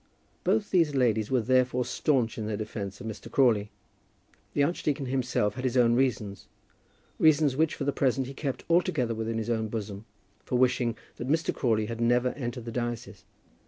Both these ladies were therefore staunch in their defence of Mr. Crawley. The archdeacon himself had his own reasons, reasons which for the present he kept altogether within his own bosom, for wishing that Mr. Crawley had never entered the diocese.